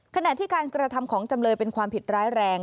ขณะที่การกระทำของจำเลยเป็นความผิดร้ายแรง